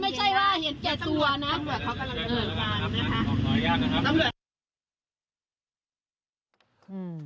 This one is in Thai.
ตำรวจเขากำลังเอิ่มการนะตำรวจ